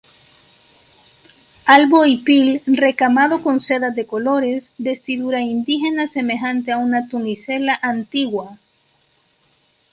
albo hipil recamado con sedas de colores, vestidura indígena semejante a una tunicela antigua